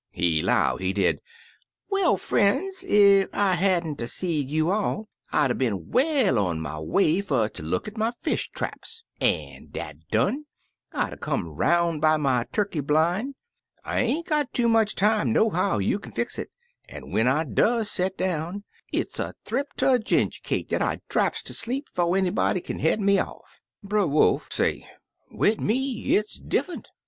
He 'low, he did, *Well, frien's, ef I had n't 'a' seed you all, I 'd 'a' been well on my way fer ter look at my fish traps, an', dat done, I 'd 'a' come 'roun' by my turkey blin'. I ain't got too much time, nohow you kin fix it, an' when I does set down, it's a thrip ter a ginger cake Uncle Remus Returns dat I draps ter sleep 'fo' anybody kin head me off/ "Brer Wolf say, 'Wid me it's diffunt.